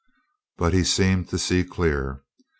But he seemed to see clear.